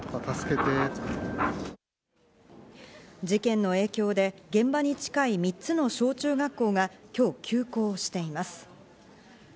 事件の影響で現場に近い３つの小・中学校が今日、休校しています。